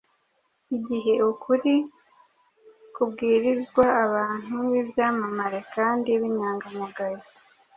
igihe ukuri kubwirizwa abantu b’ibyamamare kandi b’inyangamugayo.